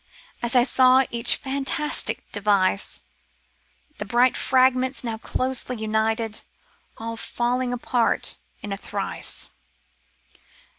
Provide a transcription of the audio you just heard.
As I saw each fantastic device, The bright fragments now closely united, All falling apart in a trice.